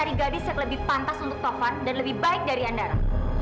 dari gadis yang lebih pantas untuk tovan dan lebih baik dari andara